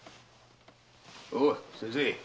おう先生。